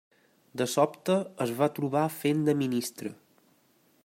De sobte es va trobar fent de ministre.